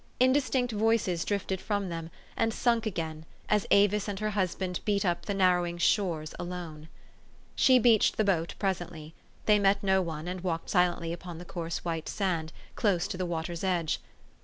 Indistinct voices drifted from them, and sunk again, as Avis and her husband beat up the narrowing shores alone. She beached the boat presently. They met no one, and walked silently upon the coarse white sand, close to the water's edge.